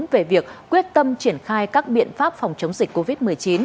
về việc quyết tâm triển khai các biện pháp phòng chống dịch covid một mươi chín